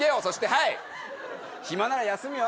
そしてはい！